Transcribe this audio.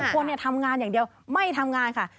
คนทำงานอย่างเดียวไม่ทำงานค่ะ